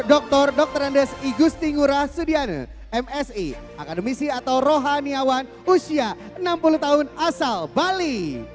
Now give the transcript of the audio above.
dr dr andes igusti ngurah sudiana msi akademisi atau rohaniawan usia enam puluh tahun asal bali